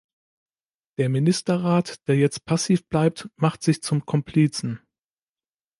Der Ministerrat, der jetzt passiv bleibt, macht sich zum Komplizen.